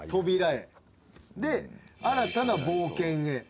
で新たな冒険へ。